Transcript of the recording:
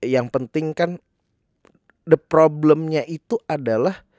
yang penting kan the problemnya itu adalah